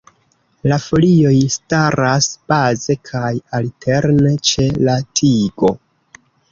La folioj staras baze kaj alterne ĉe la tigo.